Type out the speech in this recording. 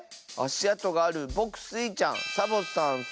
あしあとがあるぼくスイちゃんサボさん